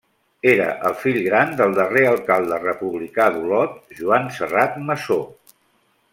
Era el fill gran del darrer alcalde republicà d'Olot, Joan Serrat Masó.